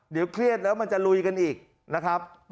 เดี๋ยวเครียดแล้วมันจะลุยกันอีกนะครับ